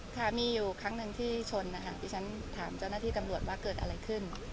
ค่ะมีอยู่ครั้งหนึ่งที่ชนนะคะที่ฉันถามเจ้าหน้าที่ตำรวจว่าเกิดอะไรขึ้น